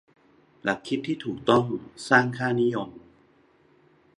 หลักคิดที่ถูกต้องสร้างค่านิยม